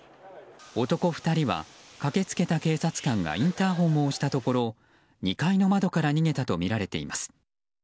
男２人は駆けつけた警察官がインターホンを押したところ２階の窓から逃げたとみられています。